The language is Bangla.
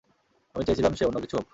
আমি চেয়েছিলাম সে অন্য কিছু হোক।